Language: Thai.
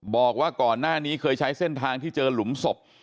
บอกว่าก่อนหน้านี้เคยใช้เส้นทางที่เจอหลุมศพ